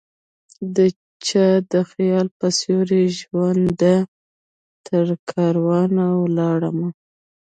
دچا د خیال په سیوری ژونده ؛ ترکاروان ولاړمه